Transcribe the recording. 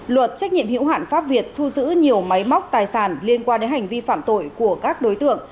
luật trách nhiệm hữu hạn pháp việt thu giữ nhiều máy móc tài sản liên quan đến hành vi phạm tội của các đối tượng